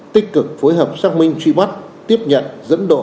tích cực phối hợp xác minh truy bắt tiếp nhận dẫn độ